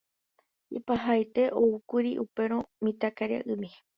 Ipahaite oúkuri upérõ mitãkaria'ymi.